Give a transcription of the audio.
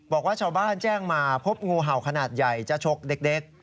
บอกว่าชาวบ้านแจ้งมาพบงูเห่าขนาดใหญ่จะชกเด็ก